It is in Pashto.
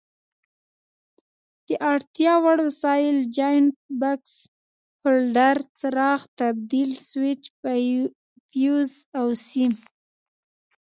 د اړتیا وړ وسایل: جاینټ بکس، هولډر، څراغ، تبدیل سویچ، فیوز او سیم.